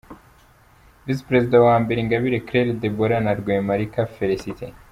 Visi-Perezida wa mbere: Ingabire Claire Deborah na Rwemarika Felicite.